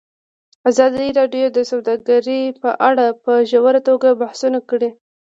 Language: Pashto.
ازادي راډیو د سوداګري په اړه په ژوره توګه بحثونه کړي.